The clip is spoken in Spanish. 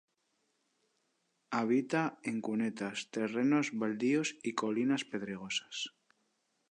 Habita en cunetas, terrenos baldíos, colinas pedregosas.